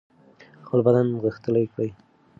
خپل بدن غښتلی کړئ.